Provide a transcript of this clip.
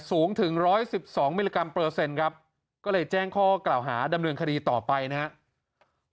สูงถึง๑๑๒มิลลิกรัมเปอร์เซ็นต์ครับก็เลยแจ้งข้อกล่าวหาดำเนินคดีต่อไปนะครับ